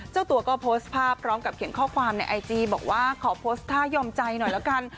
เจ้าตัวก็โพสต์ภาพพร้อมกับเขียนข้อความในไอจีบอกว่าขอโพสต์ท่ายอมใจหน่อยแล้วกัน